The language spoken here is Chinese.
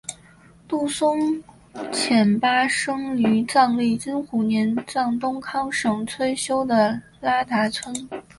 杜松虔巴生于藏历金虎年藏东康省崔休的拉达村。